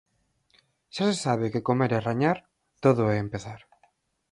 Xa se sabe que comer e rañar, todo é empezar.